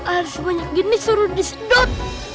air sebanyak gini suruh disedot